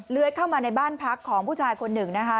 เข้ามาในบ้านพักของผู้ชายคนหนึ่งนะคะ